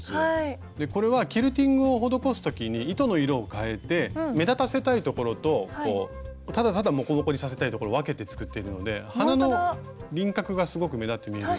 これはキルティングを施す時に糸の色を変えて目立たせたいところとただただモコモコにさせたいところ分けて作ってるので花の輪郭がすごく目立って見えるようにできてるんです。